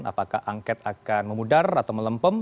apakah angket akan memudar atau melempem